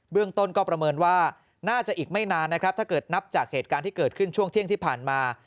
เรื่องต้นก็ประเมินว่าน่าจะอีกไม่นานนะครับถ้าเกิดนับจากเหตุการณ์ที่เกิดขึ้นช่วงเที่ยงที่ผ่านมา